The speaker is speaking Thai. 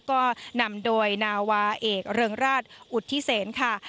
ก็นำโดยนาวาเอกเริงราชอุทธิเศษค่ะ